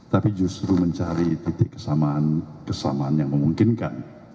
tapi justru mencari titik kesamaan yang memungkinkan